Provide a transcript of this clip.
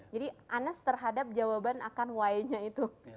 jadi honest terhadap jawaban akan y nya itu